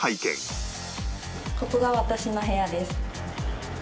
ここが私の部屋です。